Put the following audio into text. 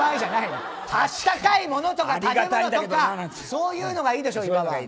温かいものとか食べ物とかそういうのがいいでしょ。